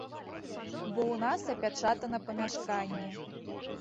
Бо ў нас апячатана памяшканне.